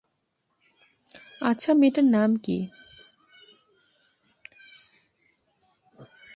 আচ্ছা, মেয়েটার নাম কি ছিল?